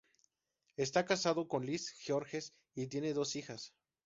Está casado con Liz Georges y tienen dos hijas.